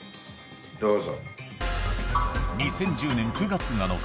どうぞ。